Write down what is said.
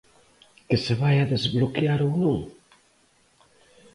Que se vaia desbloquear ou non?